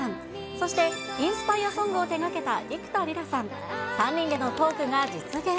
そしてインスパイアソングを手がけた幾田りらさん、３人でのトークが実現。